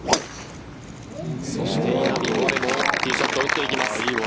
そして、稲見萌寧もティーショット打っていきます。